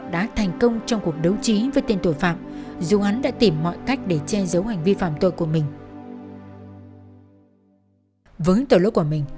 đã thành công trong cuộc đấu vụ